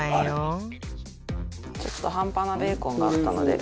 ちょっと半端なベーコンがあったので。